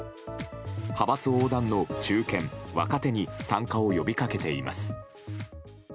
派閥横断の中堅・若手に参加を呼び掛けています。